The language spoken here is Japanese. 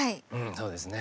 そうですね。